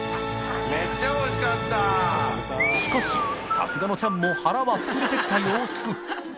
さすがのチャンも腹は膨れてきた様子